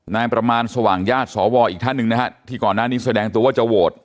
ประมาณสว่างญาติสวอีกท่านหนึ่งนะฮะที่ก่อนหน้านี้แสดงตัวว่าจะโหวต